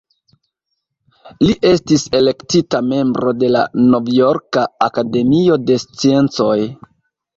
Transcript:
Li estis elektita membro de la Novjorka Akademio de Sciencoj.